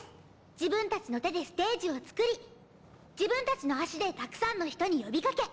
自分たちの手でステージを作り自分たちの足でたくさんの人に呼びかけ